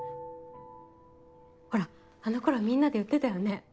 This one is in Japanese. ほらあの頃みんなで言ってたよね。